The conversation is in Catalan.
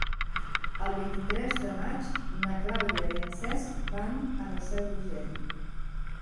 El vint-i-tres de maig na Clàudia i en Cesc van a la Seu d'Urgell.